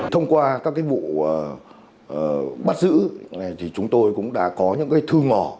thông qua các vụ bắt giữ chúng tôi cũng đã có những thư ngỏ